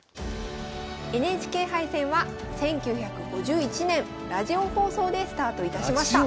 ＮＨＫ杯戦は１９５１年ラジオ放送でスタートいたしました。